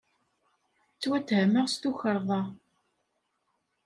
Ttwattehmeɣ s tukerḍsa.